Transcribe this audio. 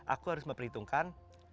aku harus memperhitungkan